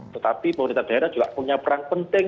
tetapi pemerintah daerah juga punya peran penting